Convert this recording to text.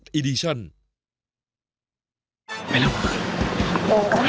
เพิ่งที่นี่ค้นออกไปเมื่อกี้ไปชื่อไทย